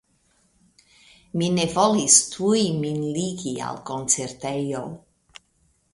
Mi ne volis tuj min ligi al koncertejo.